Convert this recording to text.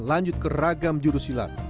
lanjut ke ragam juru silat